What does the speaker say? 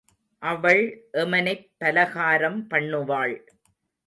அவள் எமனைப் பலகாரம் பண்ணுவாள்.